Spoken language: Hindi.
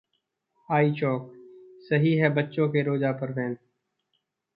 iChowk: सही है बच्चों के रोजा पर बैन